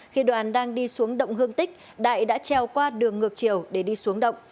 khi đoàn đang đi xuống động hương tích đại đã treo qua đường ngược chiều để đi xuống động